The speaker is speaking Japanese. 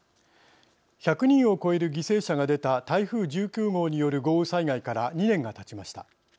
１００人を超える犠牲者が出た台風１９号による豪雨災害から２年がたちました。